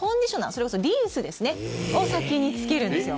それこそリンスを先につけるんですよ。